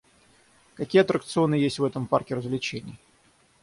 Какие аттракционы есть в этом парке развлечений?